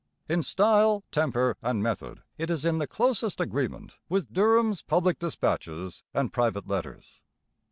In style, temper, and method it is in the closest agreement with Durham's public dispatches and private letters.